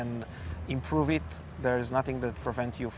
tidak ada apa apa yang membebaskan anda dari bergabung